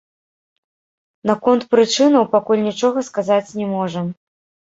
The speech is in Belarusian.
Наконт прычынаў пакуль нічога сказаць не можам.